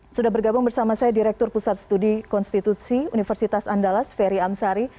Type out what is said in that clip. sudah bergabung bersama saya direktur pusat studi konstitusi universitas andalas ferry amsari